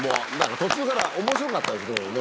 途中から面白かったですけどもね。